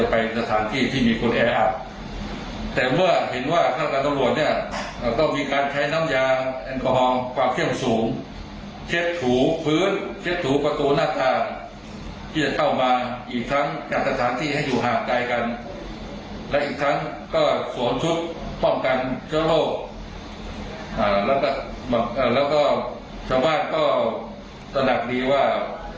ป้องกันเจ้าโรคแล้วก็ชาวบ้านก็ตระหนักดีว่า